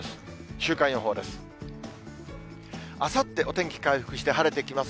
週間予報です。